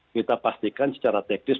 kita pastikan secara teknis